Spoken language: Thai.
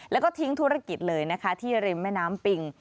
แล้วก็ทิ้งธุรกิจเลยนะคะที่ริมแม่น้ำปิง